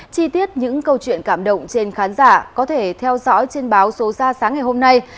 chi tiết những câu chuyện cảm động trên khán giả có thể theo dõi trên báo số ra sáng ngày hôm nay